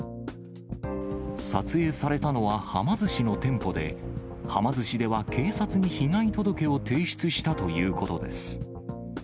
撮影されたのは、はま寿司の店舗で、はま寿司では警察に被害届を提出したということです。